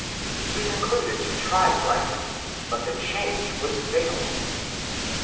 We concluded to try Brighton, but the change was fatal.